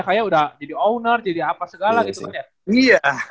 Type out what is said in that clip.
kayak udah jadi owner jadi apa segala gitu kan ya